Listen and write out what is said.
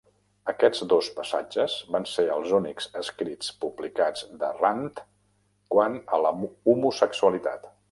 Aquests dos passatges van ser els únics escrits publicats de Rand quant a l'homosexualitat.